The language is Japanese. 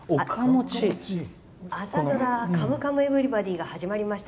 朝ドラ「カムカムエヴリバディ」始まりました。